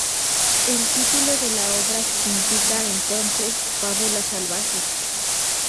El título de la obra significa entonces "fábula salvaje".